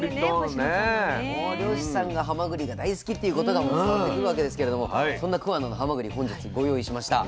漁師さんがはまぐりが大好きということが伝わってくるわけですけれどもそんな桑名のはまぐり本日ご用意しました。